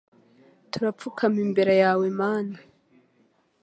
Turapfukama imbere yawe Mana.